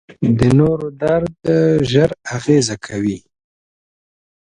د نورو درد ژر اغېز کوي.